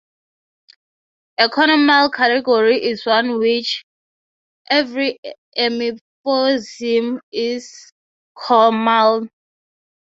A conormal category is one in which every epimorphism is conormal.